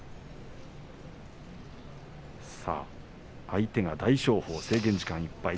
相手が大翔鵬制限時間いっぱい。